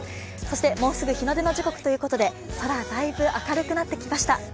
そしてもうすぐ日の出の時刻ということで空だいぶ明るくなってきました。